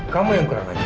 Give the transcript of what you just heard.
kamu yang kurang ajar